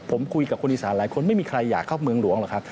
ผมคุยกับคนอีสานหลายคนไม่มีใครอยากเข้าเมืองหลวงหรอกครับ